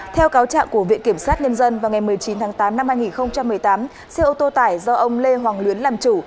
theo cáo trạng của viện kiểm sát nhân dân vào ngày một mươi chín tháng tám năm hai nghìn một mươi tám xe ô tô tải do ông lê hoàng luyến làm chủ